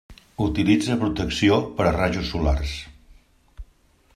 Utilitza protecció per a rajos solars.